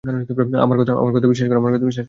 আমার কথা বিশ্বাস করো!